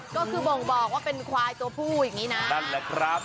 ก็คือบ่งบอกว่าเป็นควายตัวผู้อย่างนี้นะ